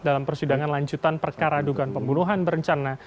dalam persidangan lanjutan perkara dugaan pembunuhan berencana